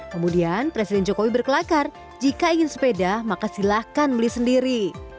kemudian presiden jokowi berkelakar jika ingin sepeda maka silahkan beli sendiri